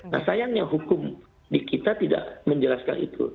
nah sayangnya hukum di kita tidak menjelaskan itu